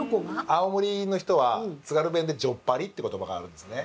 青森の人は津軽弁で「じょっぱり」って言葉があるんですね。